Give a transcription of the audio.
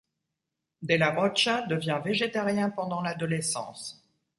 De la Rocha devient végétarien pendant l'adolescence.